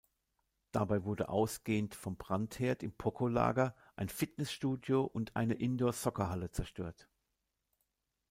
Dabei wurde ausgehend vom Brandherd im Poco-Lager ein Fitnessstudio und eine Indoor-Soccerhalle zerstört.